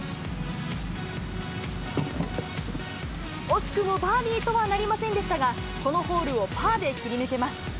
惜しくもバーディーとはなりませんでしたが、このホールをパーで切り抜けます。